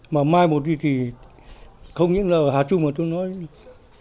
mà mai một đi thì không những là ở hà trung